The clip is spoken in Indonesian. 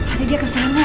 adi dia kesana